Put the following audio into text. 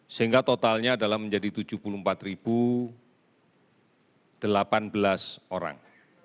sehingga totalnya adalah menjadi tujuh puluh empat delapan belas orang